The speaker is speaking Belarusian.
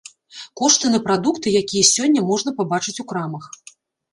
Кошты на прадукты, якія сёння можна пабачыць у крамах.